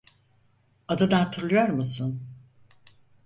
Adını hatırlıyor musun?